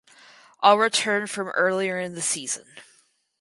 All return from earlier in the season.